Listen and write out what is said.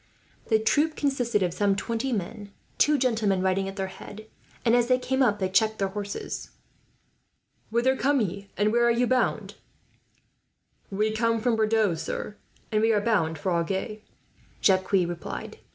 The troop consisted of some twenty men, two gentlemen riding at their head; and as they came up, they checked their horses. "Whither come you, and where are you bound, my men?" "We come from Bordeaux, sir, and we are bound for Agen," Jacques replied.